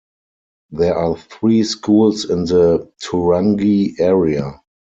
There are three schools in the Turangi area.